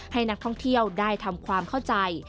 ให้นักท่องเที่ยวได้ทำความเข้าใจ